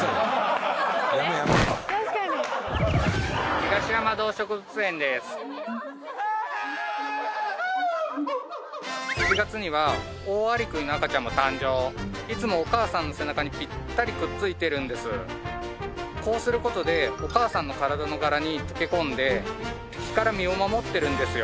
東山動植物園です７月にはオオアリクイの赤ちゃんも誕生いつもお母さんの背中にピッタリくっついてるんですこうすることでお母さんの体の柄に溶け込んで敵から身を守ってるんですよ